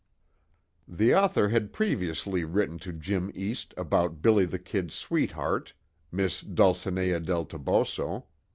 The author had previously written to Jim East about "Billy the Kid's" sweetheart, Miss Dulcinea del Toboso.